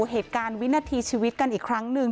เหตุการณ์วินาทีชีวิตกันอีกครั้งหนึ่ง